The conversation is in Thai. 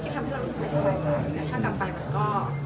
ถ้ากลับไปมันก็ไม่เหมือนเดิมแน่นอน